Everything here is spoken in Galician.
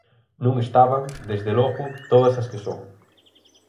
Non estaban, desde logo, todas as que son.